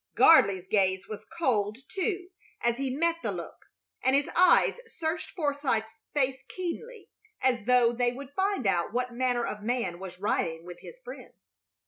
Gardley's gaze was cold, too, as he met the look, and his eyes searched Forsythe's face keenly, as though they would find out what manner of man was riding with his friend.